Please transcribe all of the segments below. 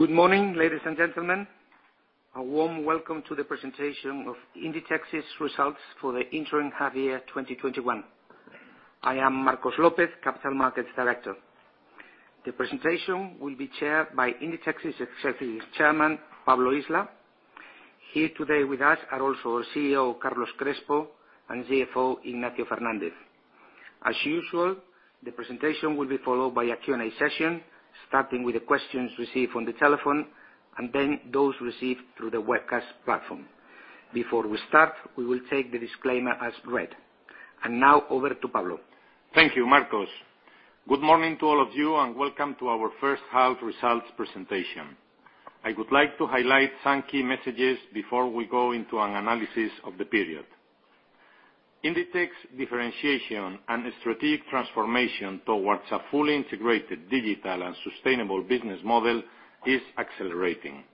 Good morning, ladies and gentlemen. A warm welcome to the presentation of Inditex's results for the interim half year 2021. I am Marcos López, Capital Markets Director. The presentation will be chaired by Inditex's Executive Chairman, Pablo Isla. Here today with us are also CEO, Carlos Crespo, and CFO, Ignacio Fernández. As usual, the presentation will be followed by a Q&A session, starting with the questions received on the telephone, and then those received through the webcast platform. Before we start, we will take the disclaimer as read. Now over to Pablo. Thank you, Marcos. Good morning to all of you, and welcome to our first half results presentation. I would like to highlight some key messages before we go into an analysis of the period. Inditex differentiation and strategic transformation towards a fully integrated digital and sustainable business model is accelerating.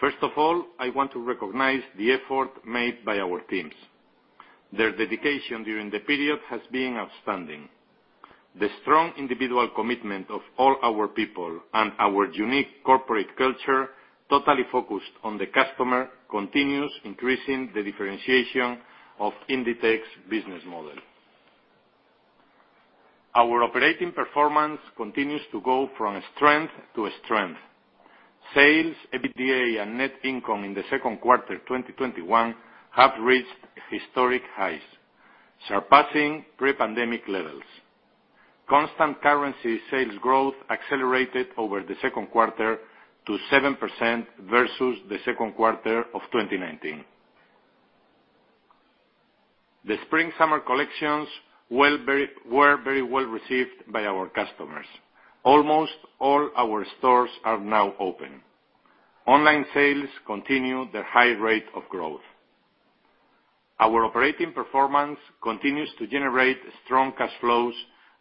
First of all, I want to recognize the effort made by our teams. Their dedication during the period has been outstanding. The strong individual commitment of all our people and our unique corporate culture, totally focused on the customer, continues increasing the differentiation of Inditex business model. Our operating performance continues to go from strength to strength. Sales, EBITDA, and net income in the Q2 2021 have reached historic highs, surpassing pre-pandemic levels. Constant currency sales growth accelerated over the Q2 to 7% versus the Q2 of 2019. The spring/summer collections were very well received by our customers. Almost all our stores are now open. Online sales continue their high rate of growth. Our operating performance continues to generate strong cash flows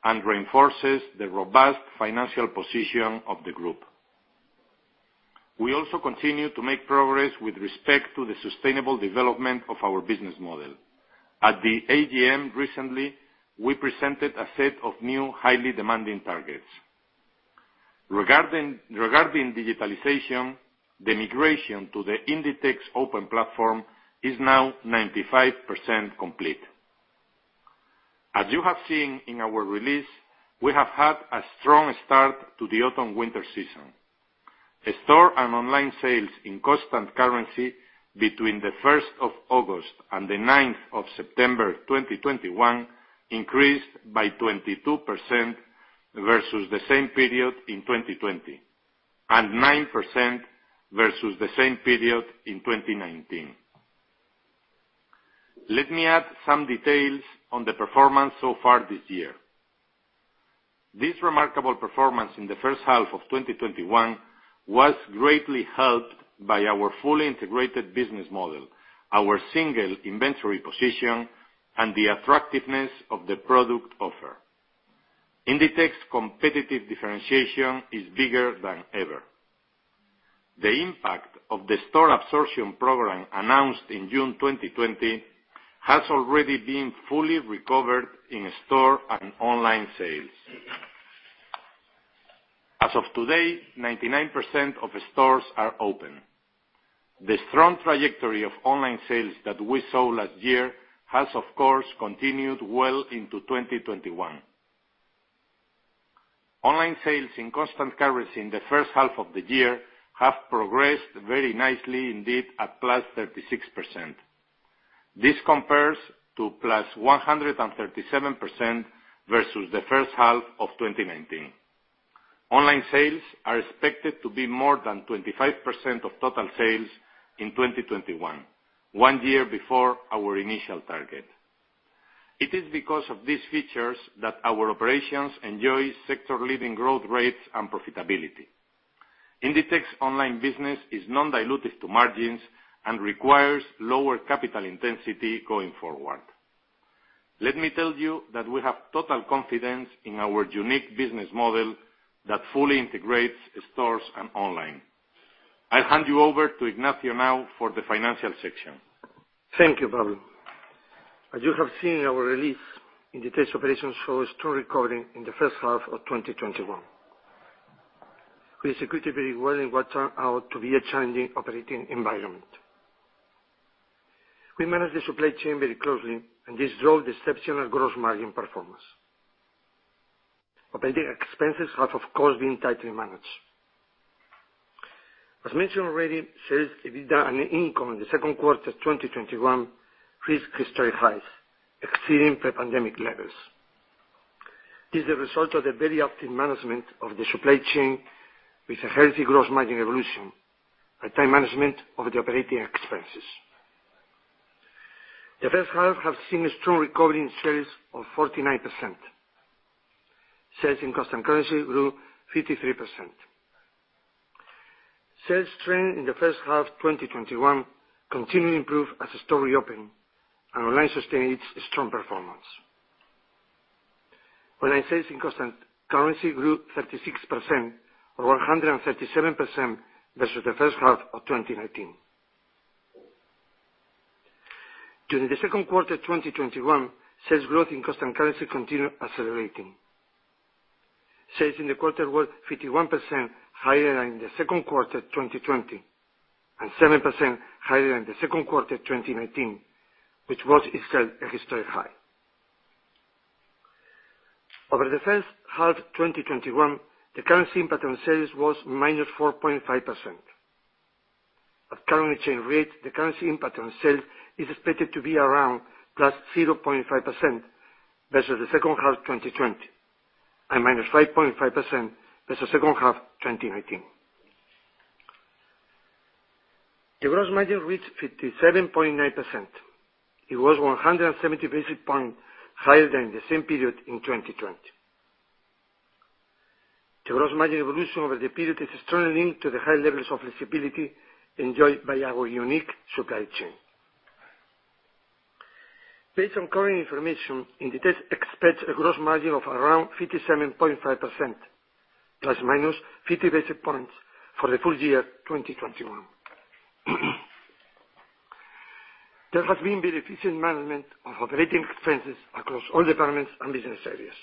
and reinforces the robust financial position of the group. We also continue to make progress with respect to the sustainable development of our business model. At the AGM recently, we presented a set of new highly demanding targets. Regarding digitalization, the migration to the Inditex Open Platform is now 95% complete. As you have seen in our release, we have had a strong start to the autumn/winter season. The store and online sales in constant currency between the 1st of August and the 9th of September 2021 increased by 22% versus the same period in 2020, and 9% versus the same period in 2019. Let me add some details on the performance so far this year. This remarkable performance in the H1 of 2021 was greatly helped by our fully integrated business model, our single inventory position, and the attractiveness of the product offer. Inditex competitive differentiation is bigger than ever. The impact of the store absorption program announced in June 2020 has already been fully recovered in store and online sales. As of today, 99% of stores are open. The strong trajectory of online sales that we saw last year has, of course, continued well into 2021. Online sales in constant currency in the H1 of the year have progressed very nicely, indeed, at plus 36%. This compares to plus 137% versus the H1 of 2019. Online sales are expected to be more than 25% of total sales in 2021, one year before our initial target. It is because of these features that our operations enjoy sector-leading growth rates and profitability. Inditex online business is non-dilutive to margins and requires lower capital intensity going forward. Let me tell you that we have total confidence in our unique business model that fully integrates stores and online. I hand you over to Ignacio now for the financial section. Thank you, Pablo. As you have seen in our release, Inditex operations show a strong recovery in the H1 of 2021. We executed very well in what turned out to be a challenging operating environment. We managed the supply chain very closely, and this drove exceptional gross margin performance. Operating expenses have, of course, been tightly managed. As mentioned already, sales, EBITDA, and income in the Q2 2021 reached historic highs, exceeding pre-pandemic levels. It's the result of the very optimal management of the supply chain with a healthy gross margin evolution, and tight management of the operating expenses. The H1 have seen a strong recovery in sales of 49%. Sales in constant currency grew 53%. Sales trend in the H1 2021 continue to improve as stores reopen and online sustains its strong performance. Online sales in constant currency grew 36%, or 137% versus the H1 of 2019. During the Q2 2021, sales growth in constant currency continued accelerating. Sales in the quarter were 51% higher than in the Q2 2020, and 7% higher than the Q2 2019, which was itself a historic high. Over the first half 2021, the currency impact on sales was -4.5%. At currency exchange rate, the currency impact on sales is expected to be around +0.5% versus the H2 2020, and -5.5% versus H2 2019. The gross margin reached 57.9%. It was 170 basis point higher than the same period in 2020. The gross margin evolution over the period is strongly linked to the high levels of flexibility enjoyed by our unique supply chain. Based on current information, Inditex expects a gross margin of around 57.5%, ±50 basis points, for the full year 2021. There has been very efficient management of operating expenses across all departments and business areas.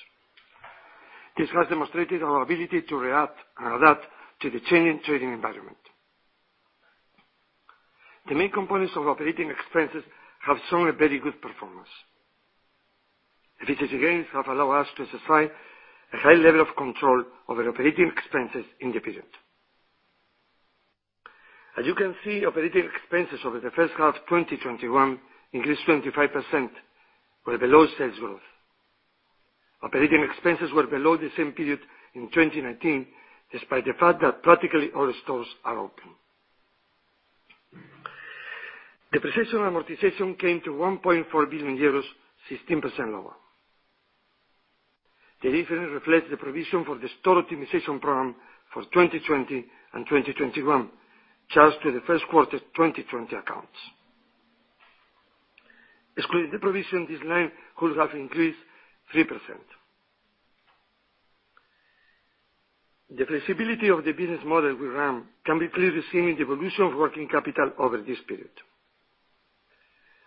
This has demonstrated our ability to react and adapt to the changing trading environment. The main components of operating expenses have shown a very good performance. Efficiencies, again, have allowed us to exercise a high level of control over operating expenses in the period. As you can see, operating expenses over the H1 2021 increased 25%, were below sales growth. Operating expenses were below the same period in 2019, despite the fact that practically all stores are open. Depreciation and amortization came to 1.4 billion euros, 16% lower. The difference reflects the provision for the store optimization program for 2020 and 2021, charged to the Q1 2020 accounts. Excluding the provision, this line could have increased 3%. The flexibility of the business model we run can be clearly seen in the evolution of working capital over this period.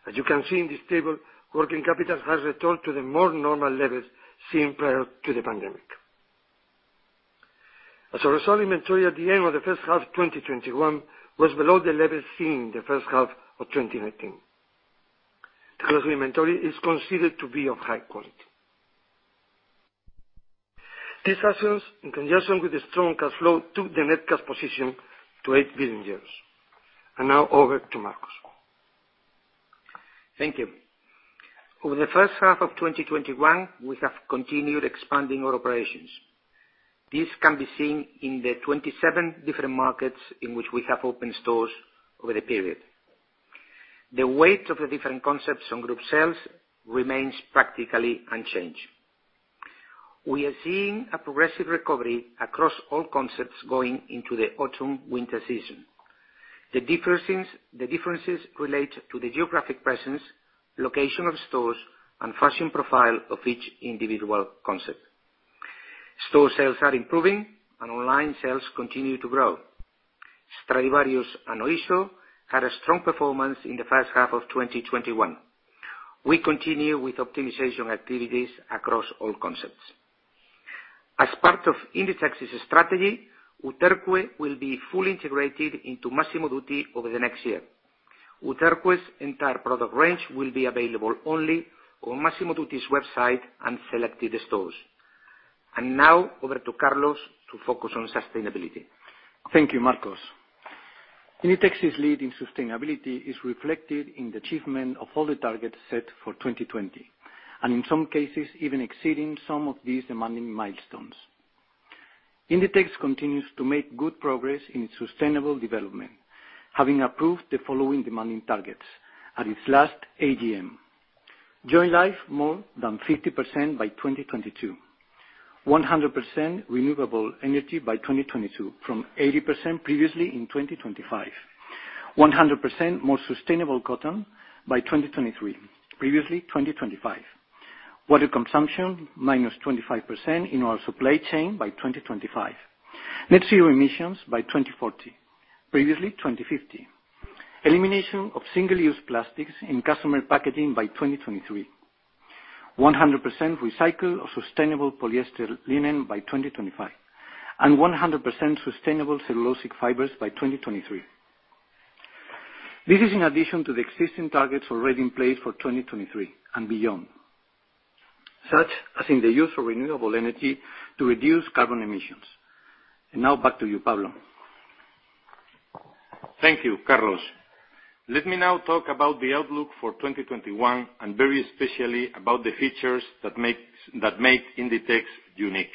As you can see in this table, working capital has returned to the more normal levels seen prior to the pandemic. Inventory at the end of the H1 2021 was below the level seen in the H1 of 2019. The current inventory is considered to be of high quality. These actions, in conjunction with the strong cash flow, took the net cash position to 8 billion euros. Now, over to Marcos. Thank you. Over the H1 of 2021, we have continued expanding our operations. This can be seen in the 27 different markets in which we have opened stores over the period. The weight of the different concepts on group sales remains practically unchanged. We are seeing a progressive recovery across all concepts going into the autumn/winter season. The differences relate to the geographic presence, location of stores, and fashion profile of each individual concept. Store sales are improving, and online sales continue to grow. Stradivarius and Oysho had a strong performance in the 1 of 2021. We continue with optimization activities across all concepts. As part of Inditex's strategy, Uterqüe will be fully integrated into Massimo Dutti over the next year. Uterqüe's entire product range will be available only on Massimo Dutti's website and selected stores. Now, over to Carlos to focus on sustainability. Thank you, Marcos. Inditex's lead in sustainability is reflected in the achievement of all the targets set for 2020, and in some cases, even exceeding some of these demanding milestones. Inditex continues to make good progress in its sustainable development, having approved the following demanding targets at its last AGM. Join Life, more than 50% by 2022. 100% renewable energy by 2022, from 80% previously in 2025. 100% more sustainable cotton by 2023, previously 2025. Water consumption, -25% in our supply chain by 2025. Net zero emissions by 2040, previously 2050. Elimination of single-use plastics in customer packaging by 2023. 100% recycled or sustainable polyester linen by 2025, and 100% sustainable cellulosic fibers by 2023. This is in addition to the existing targets already in place for 2023 and beyond, such as in the use of renewable energy to reduce carbon emissions. Now back to you, Pablo. Thank you, Carlos. Let me now talk about the outlook for 2021, and very especially, about the features that make Inditex unique.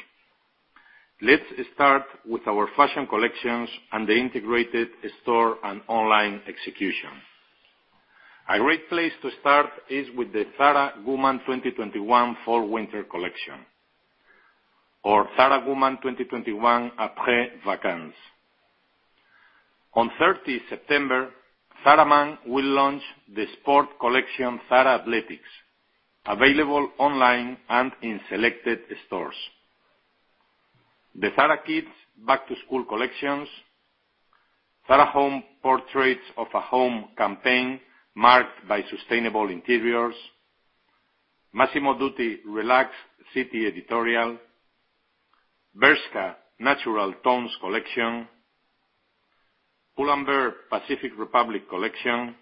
Let's start with our fashion collections and the integrated store and online execution. A great place to start is with the Zara Woman 2021 fall/winter collection, or Zara Woman 2021 apres vacances. On 30 September, Zara Man will launch the sport collection, Zara Athleticz, available online and in selected stores. The Zara Kids Back to School collections, Zara Home Portraits of a Home campaign marked by sustainable interiors, Massimo Dutti Relax City editorial, Bershka Natural Tones collection, Pull&Bear Pacific Republic collection,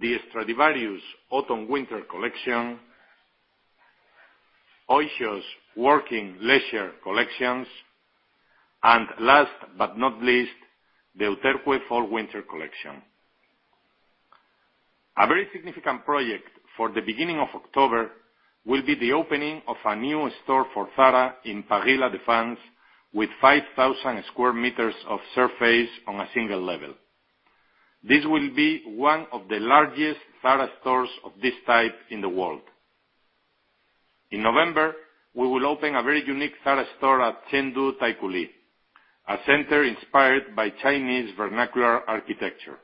the Stradivarius autumn/winter collection, Oysho's Working Leisure collections, and last but not least, the Uterqüe fall/winter collection. A very significant project for the beginning of October will be the opening of a new store for Zara in La Défense with 5,000 sq m of surface on a single level. This will be one of the largest Zara stores of this type in the world. In November, we will open a very unique Zara store at Chengdu Taikoo Li, a center inspired by Chinese vernacular architecture.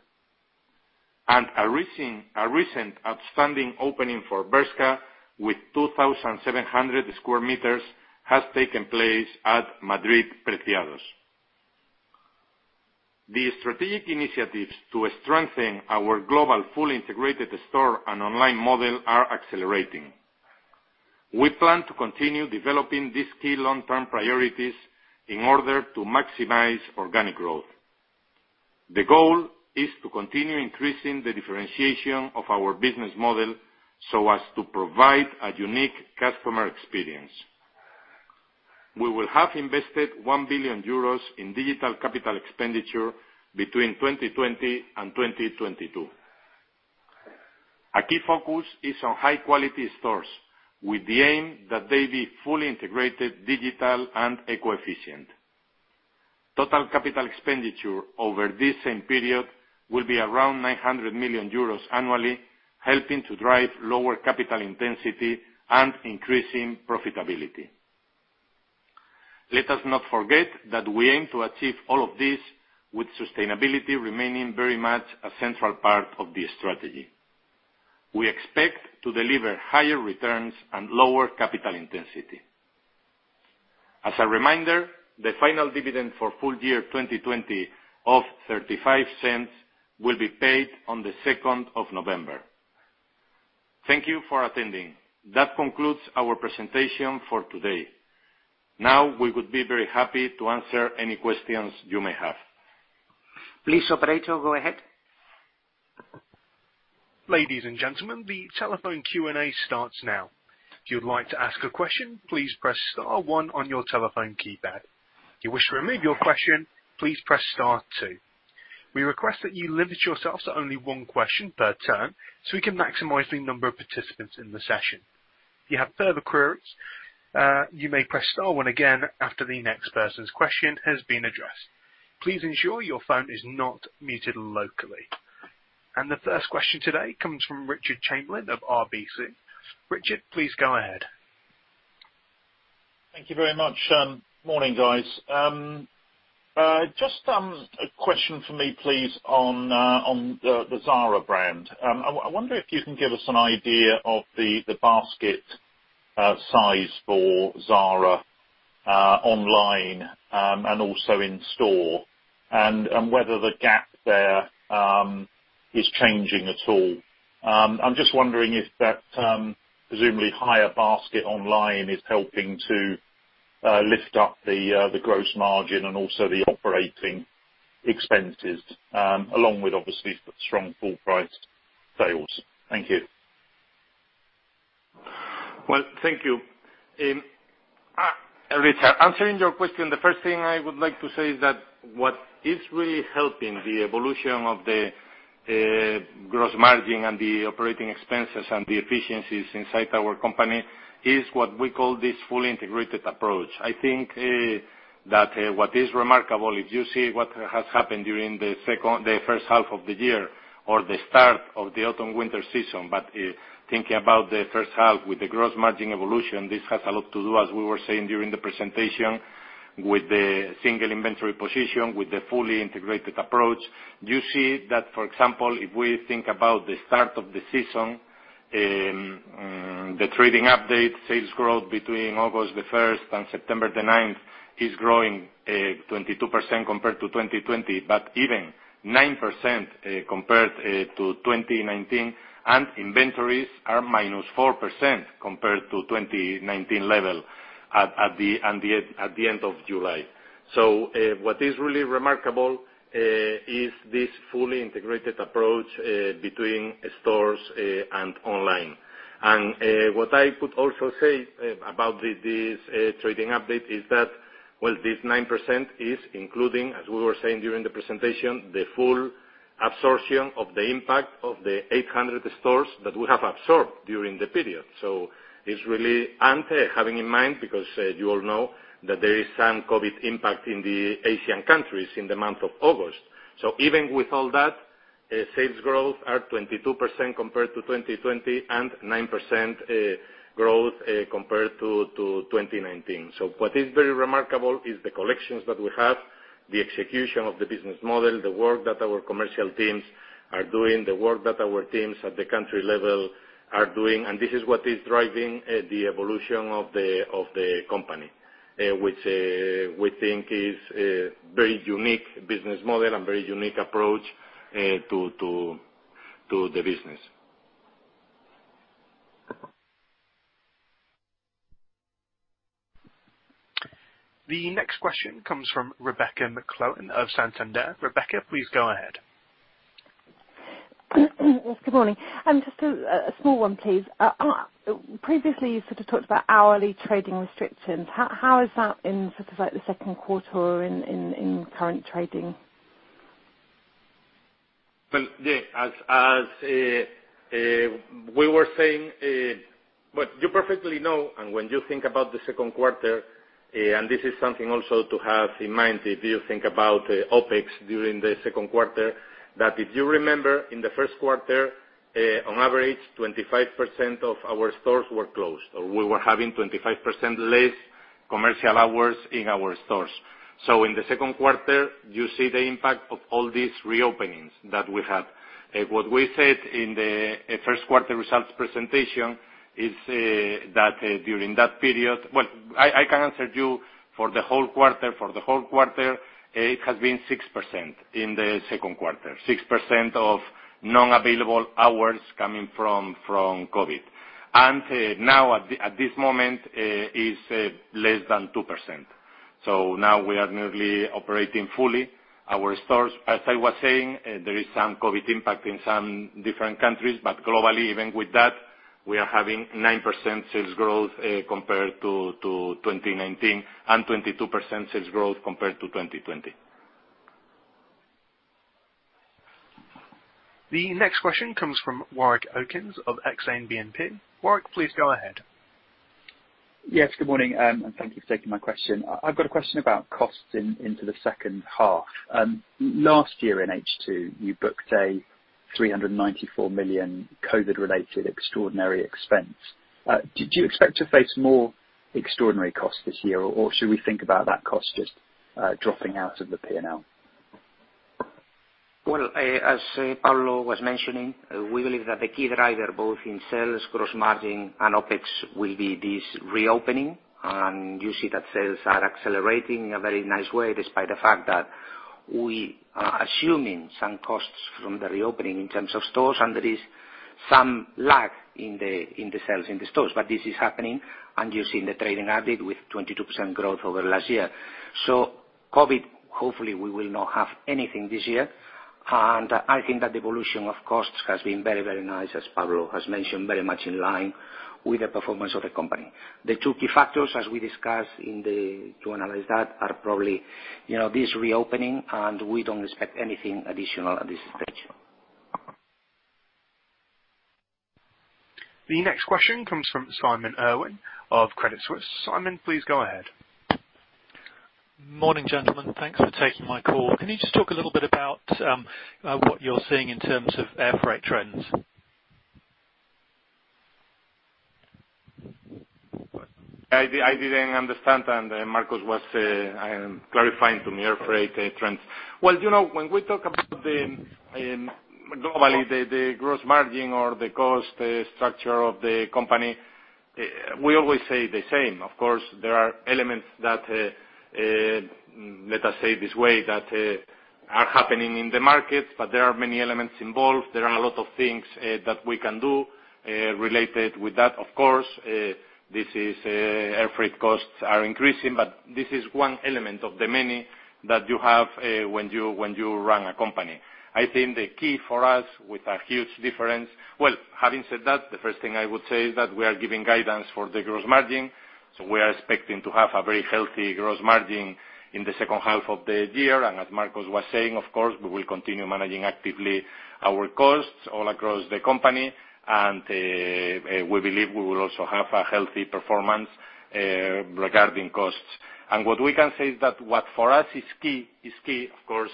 A recent outstanding opening for Bershka with 2,700 sq m has taken place at Madrid Preciados. The strategic initiatives to strengthen our global, fully integrated store and online model are accelerating. We plan to continue developing these key long-term priorities in order to maximize organic growth. The goal is to continue increasing the differentiation of our business model so as to provide a unique customer experience. We will have invested 1 billion euros in digital capital expenditure between 2020 and 2022. A key focus is on high-quality stores with the aim that they be fully integrated, digital, and eco-efficient. Total capital expenditure over this same period will be around 900 million euros annually, helping to drive lower capital intensity and increasing profitability. Let us not forget that we aim to achieve all of this with sustainability remaining very much a central part of the strategy. We expect to deliver higher returns and lower capital intensity. As a reminder, the final dividend for full year 2020 of 0.35 will be paid on the 2nd of November. Thank you for attending. That concludes our presentation for today. We would be very happy to answer any questions you may have. Please, operator, go ahead. Ladies and gentlemen, the telephone Q&A starts now. If you'd like to ask a question, please press star one on your telephone keypad. If you wish to remove your question, please press star two. We request that you limit yourselves to only ome question per turn so we can maximize the number of participants in the session. If you have further queries, you may press star one again after the next person's question has been addressed. Please ensure your phone is not muted locally. The first question today comes from Richard Chamberlain of RBC. Richard, please go ahead. Thank you very much. Morning, guys. A question from me, please, on the Zara brand. I wonder if you can give us an idea of the basket size for Zara online, and also in-store, and whether the gap there is changing at all. I'm wondering if that presumably higher basket online is helping to lift up the gross margin and also the operating expenses, along with, obviously, strong full price sales. Thank you. Well, thank you. Richard, answering your question, the first thing I would like to say is that what is really helping the evolution of the gross margin and the operating expenses and the efficiencies inside our company is what we call this fully integrated approach. I think that what is remarkable, if you see what has happened during the first half of the year or the start of the autumn/winter season, but thinking about the first half with the gross margin evolution, this has a lot to do, as we were saying during the presentation, with the single inventory position, with the fully integrated approach. You see that, for example, if we think about the start of the season, the trading update sales growth between August the 1st and September the 9th is growing 22% compared to 2020, but even 9% compared to 2019, and inventories are minus 4% compared to 2019 level at the end of July. What is really remarkable, is this fully integrated approach between stores and online. What I could also say about this trading update is that, well, this 9% is including, as we were saying during the presentation, the full absorption of the impact of the 800 stores that we have absorbed during the period. Having in mind, because you all know that there is some COVID impact in the Asian countries in the month of August. Even with all that, sales growth are 22% compared to 2020 and 9% growth compared to 2019. What is very remarkable is the collections that we have. The execution of the business model, the work that our commercial teams are doing, the work that our teams at the country level are doing, and this is what is driving the evolution of the company, which we think is a very unique business model and very unique approach to the business. The next question comes from Rebecca McClellan of Santander. Rebecca, please go ahead. Good morning. Just a small one, please. Previously, you sort of talked about hourly trading restrictions. How is that in sort of like the Q2 in current trading? Well, yeah, as we were saying, what you perfectly know and when you think about the Q2, and this is something also to have in mind, if you think about OPEX during the Q2, that if you remember in the Q1, on average, 25% of our stores were closed, or we were having 25% less commercial hours in our stores. In the Q2, you see the impact of all these reopenings that we had. Well, I can answer you for the whole quarter. For the whole quarter, it has been 6% in the Q2. 6% of non-available hours coming from COVID. Now at this moment is less than 2%. Now we are nearly operating fully our stores. As I was saying, there is some COVID impact in some different countries. Globally, even with that, we are having 9% sales growth, compared to 2019 and 22% sales growth compared to 2020. The next question comes from Warwick Okines of Exane BNP. Warwick, please go ahead. Good morning, and thank you for taking my question. I've got a question about costs into the H2. Last year in H2, you booked a 394 million COVID-related extraordinary expense. Did you expect to face more extraordinary costs this year, or should we think about that cost just dropping out of the P&L? Well, as Pablo was mentioning, we believe that the key driver, both in sales, gross margin and OPEX, will be this reopening. You see that sales are accelerating in a very nice way, despite the fact that we are assuming some costs from the reopening in terms of stores, and there is some lag in the sales in the stores. This is happening, and you're seeing the trading update with 22% growth over last year. COVID, hopefully we will not have anything this year. I think that the evolution of costs has been very, very nice, as Pablo has mentioned, very much in line with the performance of the company. The TWO key factors as we discuss to analyze that are probably this reopening, and we don't expect anything additional at this stage. The next question comes from Simon Irwin of Credit Suisse. Simon, please go ahead. Morning, gentlemen. Thanks for taking my call. Can you just talk a little bit about what you're seeing in terms of air freight trends? I didn't understand and Marcos was clarifying to me air freight trends. When we talk about globally the gross margin or the cost structure of the company, we always say the same. Of course, there are elements that, let us say this way, that are happening in the markets, but there are many elements involved. There are a lot of things that we can do, related with that, of course. Air freight costs are increasing, but this is one element of the many that you have when you run a company. I think the key for us, with a huge difference Having said that, the first thing I would say is that we are giving guidance for the gross margin, so we are expecting to have a very healthy gross margin in the H2 of the year. As Marcos was saying, of course, we will continue managing actively our costs all across the company. We believe we will also have a healthy performance regarding costs. What we can say is that what for us is key, of course,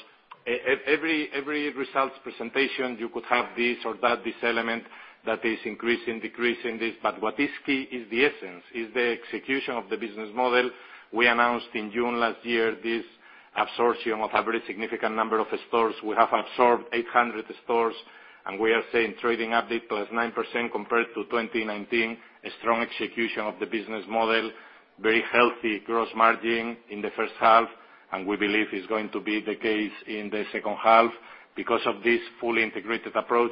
every results presentation, you could have this or that, this element that is increasing, decreasing this, but what is key is the essence, is the execution of the business model. We announced in June last year this absorption of a very significant number of stores. We have absorbed 800 stores, and we are seeing trading update +9% compared to 2019. A strong execution of the business model. Very healthy gross margin in the H1, and we believe is going to be the case in the H2 because of this fully integrated approach.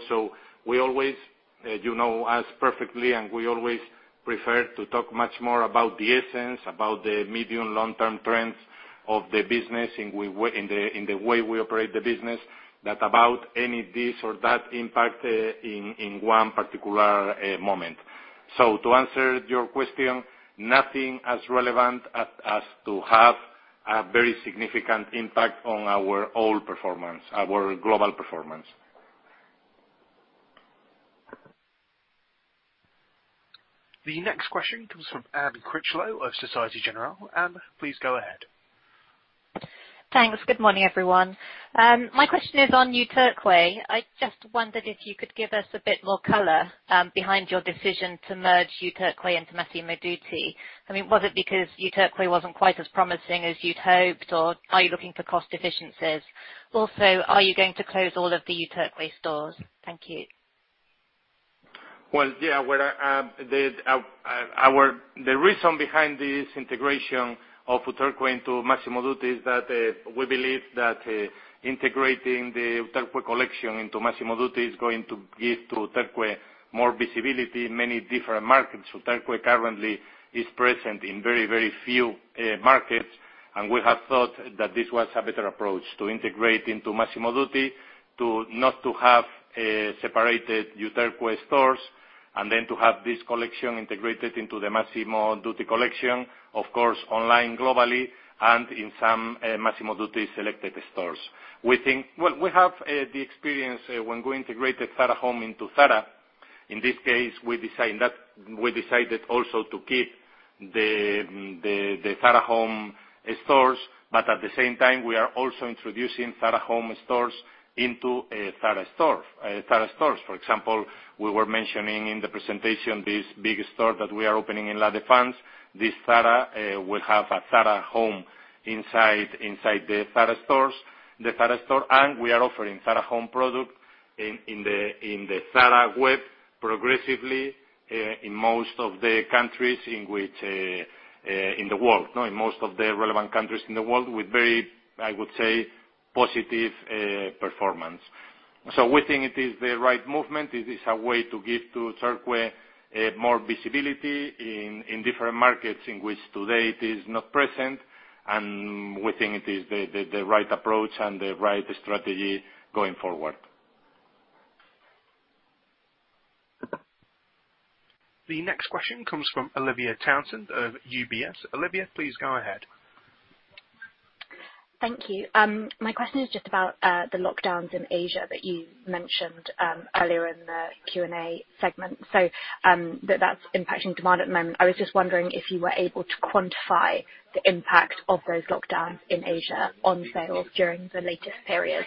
You know us perfectly, and we always prefer to talk much more about the essence, about the medium long-term trends of the business in the way we operate the business, than about any of this or that impact in one particular moment. To answer your question, nothing as relevant as to have a very significant impact on our whole performance, our global performance. The next question comes from Anne Critchlow of Societe Generale. Anne, please go ahead. Thanks. Good morning, everyone. My question is on Uterqüe. I just wondered if you could give us a bit more color behind your decision to merge Uterqüe into Massimo Dutti. Was it because Uterqüe wasn't quite as promising as you'd hoped, or are you looking for cost efficiencies? Are you going to close all of the Uterqüe stores? Thank you. Well, yeah. The reason behind this integration of Uterqüe into Massimo Dutti is that we believe that integrating the Uterqüe collection into Massimo Dutti is going to give Uterqüe more visibility in many different markets. We have thought that this was a better approach, to integrate into Massimo Dutti, to not to have separated Uterqüe stores, and then to have this collection integrated into the Massimo Dutti collection, of course, online globally and in some Massimo Dutti selected stores. We have the experience when we integrated Zara Home into Zara. In this case, we decided also to keep the Zara Home stores. At the same time, we are also introducing Zara Home stores into Zara stores. For example, we were mentioning in the presentation this big store that we are opening in La Défense. This Zara will have a Zara Home inside the Zara store. We are offering Zara Home product in the Zara web progressively in most of the relevant countries in the world with very, I would say, positive performance. We think it is the right movement. It is a way to give Uterqüe more visibility in different markets in which today it is not present. We think it is the right approach and the right strategy going forward. The next question comes from Olivia Townsend of UBS. Olivia, please go ahead. Thank you. My question is just about the lockdowns in Asia that you mentioned earlier in the Q&A segment. That's impacting demand at the moment. I was just wondering if you were able to quantify the impact of those lockdowns in Asia on sales during the latest period.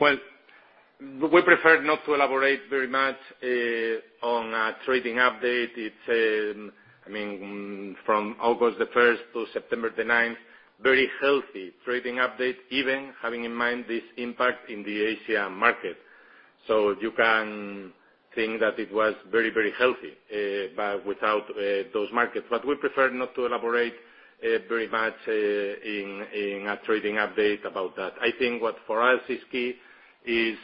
Well, we prefer not to elaborate very much on a trading update. From August the 1st to September the 9th, very healthy trading update, even having in mind this impact in the Asia market. You can think that it was very healthy, but without those markets. We prefer not to elaborate very much in a trading update about that. I think what for us is key is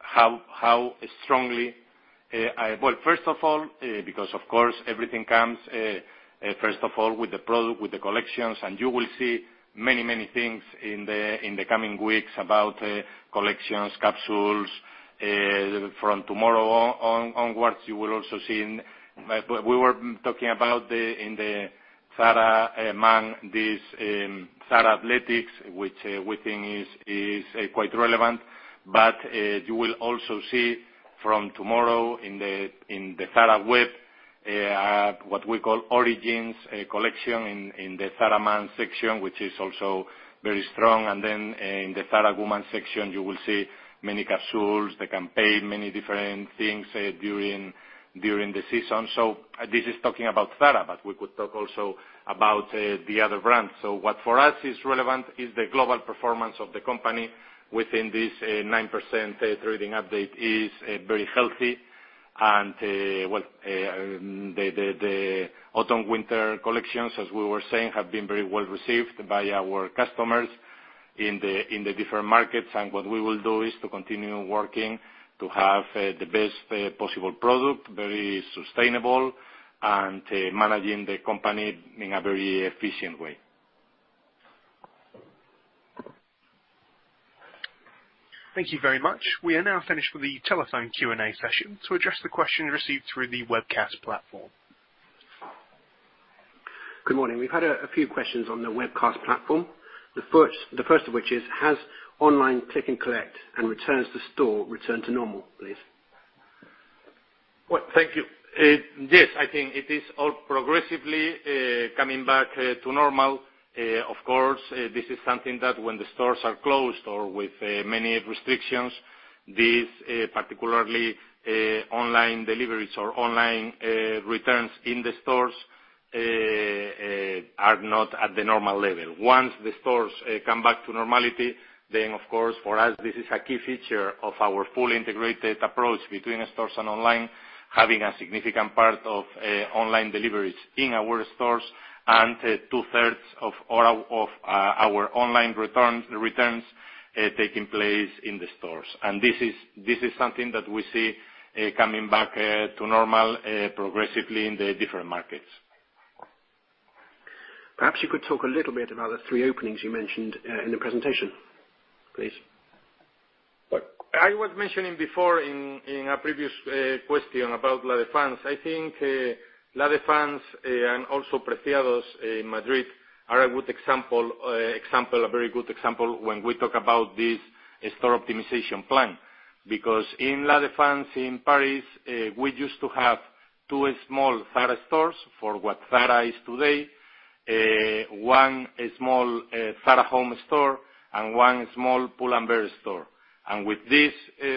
how strongly first of all, because of course everything comes, first of all, with the product, with the collections, and you will see many things in the coming weeks about collections, capsules. From tomorrow onwards, you will also see, we were talking about in the Zara Man, this Zara Athleticz, which we think is quite relevant. You will also see from tomorrow in the Zara web, what we call Origins collection in the Zara Man section, which is also very strong. In the Zara Woman section, you will see many capsules, the campaign, many different things during the season. This is talking about Zara, but we could talk also about the other brands. What for us is relevant is the global performance of the company within this 9% trading update is very healthy. Well, the autumn/winter collections, as we were saying, have been very well received by our customers in the different markets. What we will do is to continue working to have the best possible product, very sustainable, and managing the company in a very efficient way. Thank you very much. We are now finished with the telephone Q&A session. To address the question received through the webcast platform. Good morning. We've had a few questions on the webcast platform. The first of which is, has online click and collect and returns to store returned to normal, please? Thank you. Yes, I think it is all progressively coming back to normal. Of course, this is something that when the stores are closed or with many restrictions, these, particularly online deliveries or online returns in the stores, are not at the normal level. Once the stores come back to normality, then of course for us, this is a key feature of our fully integrated approach between stores and online, having a significant part of online deliveries in our stores and 2/3 of our online returns taking place in the stores. This is something that we see coming back to normal progressively in the different markets. Perhaps you could talk a little bit about the three openings you mentioned in the presentation, please. I was mentioning before in a previous question about La Défense. I think La Défense and also Preciados in Madrid are a very good example when we talk about this store optimization plan. In La Défense in Paris, we used to have two small Zara stores for what Zara is today, one small Zara Home store, and one small Pull & Bear store. With this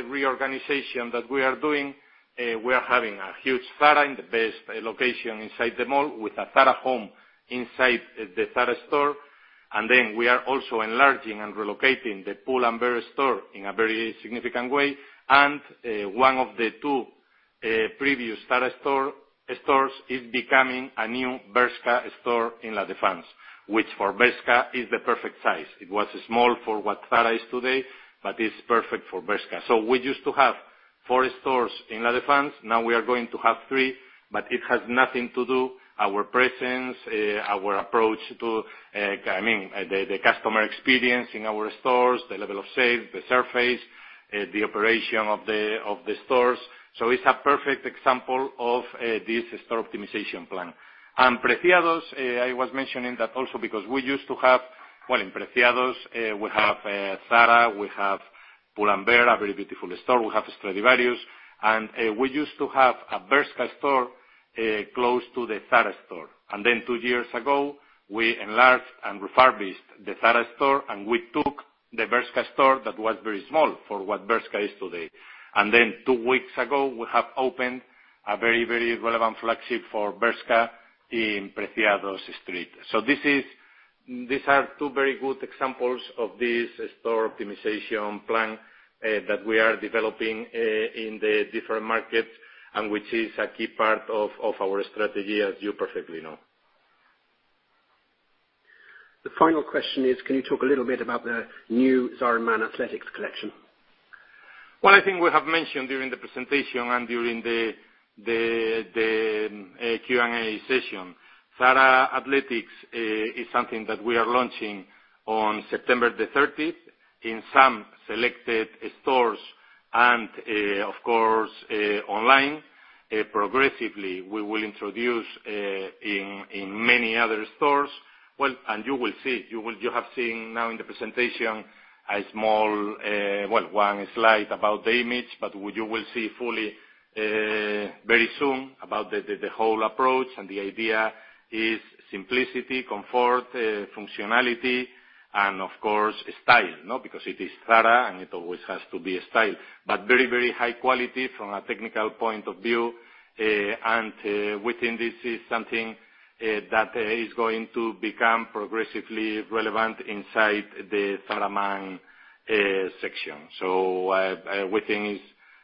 reorganization that we are doing, we are having a huge Zara in the best location inside the mall with a Zara Home inside the Zara store. Then we are also enlarging and relocating the Pull & Bear store in a very significant way. One of the two previous Zara stores is becoming a new Bershka store in La Défense, which for Bershka is the perfect size. It was small for what Zara is today, but it's perfect for Bershka. We used to have four stores in La Défense. Now we are going to have three, but it has nothing to do. Our presence, our approach to the customer experience in our stores, the level of sale, the surface, the operation of the stores. It's a perfect example of this store optimization plan. Preciados, I was mentioning that also because in Preciados, we have Zara, we have Pull&Bear, a very beautiful store. We have Stradivarius, and we used to have a Bershka store close to the Zara store. Two years ago, we enlarged and refurbished the Zara store, and we took the Bershka store that was very small for what Bershka is today. Two weeks ago, we have opened a very relevant flagship for Bershka in Preciados Street. These are two very good examples of this store optimization plan that we are developing in the different markets and which is a key part of our strategy, as you perfectly know. The final question is, can you talk a little bit about the new Zara Man Athleticz collection? I think we have mentioned during the presentation and during the Q&A session, Zara Athleticz is something that we are launching on September the 30th in some selected stores and, of course, online. Progressively, we will introduce in many other stores. You will see. You have seen now in the presentation a small, one slide about the image, but you will see fully very soon about the whole approach. The idea is simplicity, comfort, functionality, and of course, style. Because it is Zara, and it always has to be in style. Very high quality from a technical point of view, and within this is something that is going to become progressively relevant inside the Zara Man section. We think it's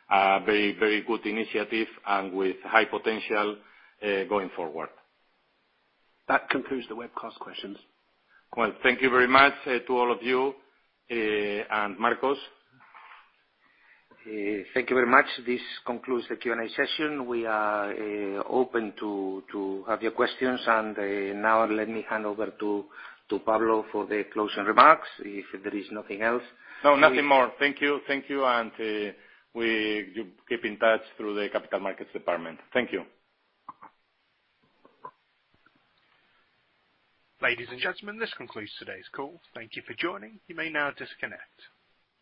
a very good initiative and with high potential going forward. That concludes the webcast questions. Well, thank you very much to all of you. Marcos. Thank you very much. This concludes the Q&A session. We are open to have your questions, and now let me hand over to Pablo for the closing remarks. If there is nothing else. No, nothing more. Thank you. We keep in touch through the capital markets department. Thank you. Ladies and gentlemen, this concludes today's call. Thank you for joining. You may now disconnect.